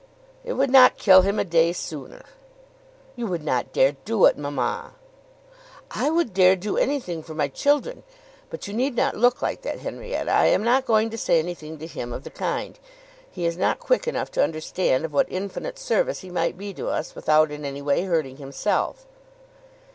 "It would not kill him a day sooner." "You would not dare to do it, mamma." "I would dare to do anything for my children. But you need not look like that, Henrietta. I am not going to say anything to him of the kind. He is not quick enough to understand of what infinite service he might be to us without in any way hurting himself."